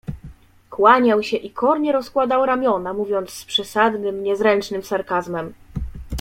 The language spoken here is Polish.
"Kłaniał się i kornie rozkładał ramiona, mówiąc z przesadnym, niezręcznym sarkazmem."